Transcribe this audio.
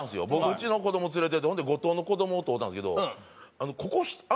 ウチの子供連れてほんで後藤の子供と会うたんですけど